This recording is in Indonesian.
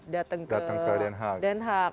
datang ke dnh